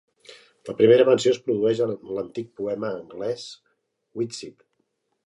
La primera menció es produeix en l'antic poema anglès "Widsith".